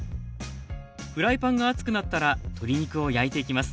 フライパンが熱くなったら鶏肉を焼いていきます。